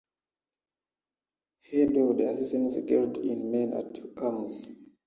Head of the Assassins' Guild in "Men at Arms".